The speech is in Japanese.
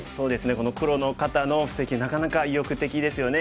この黒の方の布石なかなか意欲的ですよね。